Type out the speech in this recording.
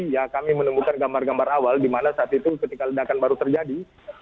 ya kami menemukan gambar gambar awal di mana saat itu ketika ledakan baru terjadi